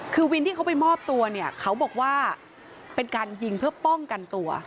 คือวินที่เขาไปมอบตัวเนี่ยเขาบอกว่าเป็นการยิงเพื่อป้องกันตัว